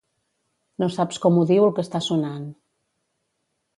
No saps com odio el que està sonant.